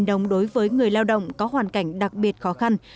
đồng đối với người lao động có hoàn cảnh đặc biệt khó khăn